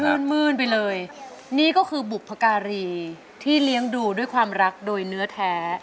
มื้นไปเลยนี่ก็คือบุพการีที่เลี้ยงดูด้วยความรักโดยเนื้อแท้